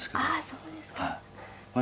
そうですか。